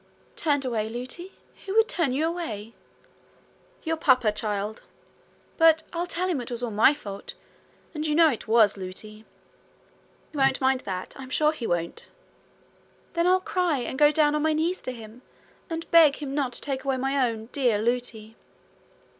'Turned away, Lootie! Who would turn you away?' 'Your papa, child.' 'But I'll tell him it was all my fault. And you know it was, Lootie.' 'He won't mind that. I'm sure he won't.' 'Then I'll cry, and go down on my knees to him, and beg him not to take away my own dear Lootie.'